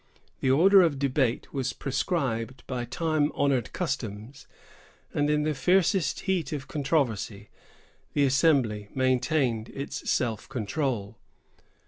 The order of debate was prescribed by time honored customs; and, in the fiercest heat of controversy, the assembly maintained its self control.